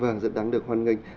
và rất đáng được hoan nghênh